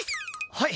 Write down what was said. はい！